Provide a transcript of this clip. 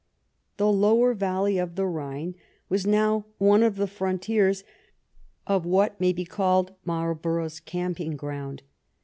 The lower valley of the Khine was now one of the frontiers of what may be called Marlborough's camp ing ground.